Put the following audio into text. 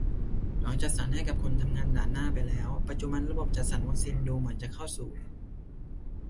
หลังจัดสรรให้กับคนทำงานด่านหน้าไปแล้ว ปัจจุบันระบบจัดสรรวัคซีนดูเหมือนจะเข้าสู่